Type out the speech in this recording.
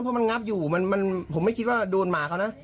เพราะมันงับอยู่ผมไม่คิดว่าโดนหมาเขานะ